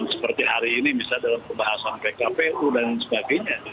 seperti hari ini misalnya dalam pembahasan pkpu dan sebagainya